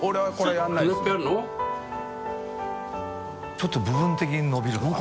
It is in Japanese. ちょっと部分的に伸びるのかな？